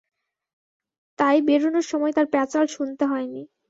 তাই বেরুনোর সময় তার প্যাচাল শুনতে হয়নি।